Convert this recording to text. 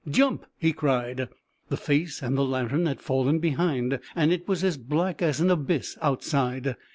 "Jump!" he cried. The face and the lantern had fallen behind, and it was as black as an abyss outside.